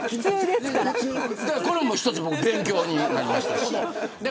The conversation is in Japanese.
これも一つ勉強になりました。